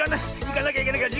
いかなきゃいかなきゃ。